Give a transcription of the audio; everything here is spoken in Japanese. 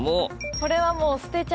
これはもう。